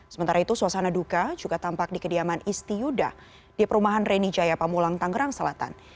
sementara itu suasana duka juga tampak di kediaman isti yuda di perumahan reni jaya pamulang tangerang selatan